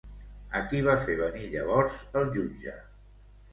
A qui va fer venir llavors el jutge?